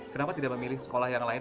kenapa tidak memilih sekolah yang lain